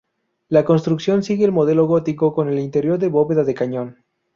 La construcción sigue el modelo gótico con el interior de bóveda de cañón.